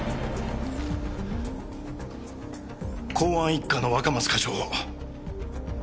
公安一課の若松課長を。